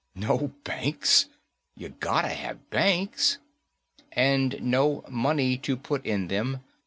"No banks! You gotta have banks!" "And no money to put in them.